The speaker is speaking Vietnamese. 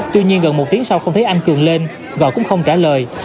tuy nhiên gần một tiếng sau không thấy anh cường lên gọi cũng không trả lời